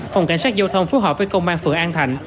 phòng cảnh sát giao thông phối hợp với công an phường an thạnh